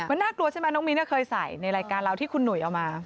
มันน่ากลัวใช่ไหมน้องมิ้นเคยใส่ในรายการเราที่คุณหนุ่ยเอามา